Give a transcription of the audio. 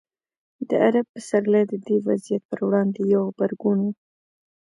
د عرب پسرلی د دې وضعیت پر وړاندې یو غبرګون و.